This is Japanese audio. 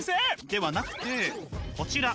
ではなくて、こちら。